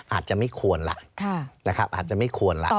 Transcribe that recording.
อาจจะไม่ควรล่ะอาจจะไม่ควรล่ะ